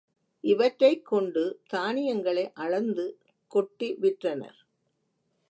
இவற்றைக் கொண்டு தானியங் களை அளந்து கொட்டி விற்றனர்.